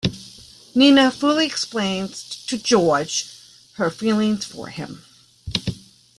Nina fully explains to George her feelings for him.